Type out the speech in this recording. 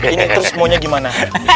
ini terus maunya gimana